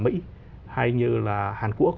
mỹ hay như là hàn quốc